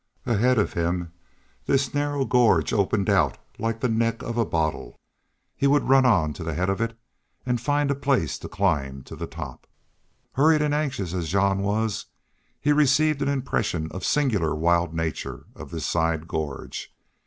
Ahead of him this narrow gorge opened out like the neck of a bottle. He would run on to the head of it and find a place to climb to the top. Hurried and anxious as Jean was, he yet received an impression of singular, wild nature of this side gorge.